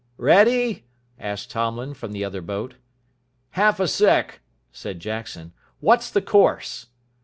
"Ready?" asked Tomlin from the other boat. "Half a sec.," said Jackson. "What's the course?"